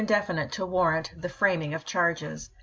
definite to warrant the framing of charges.